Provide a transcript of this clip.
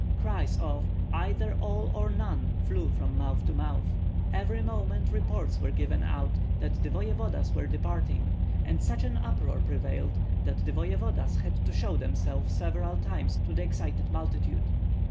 Cries of "Either all or none!" flew from mouth to mouth. Every moment reports were given out that the voevodas were departing, and such an uproar prevailed that the voevodas had to show themselves several times to the excited multitude.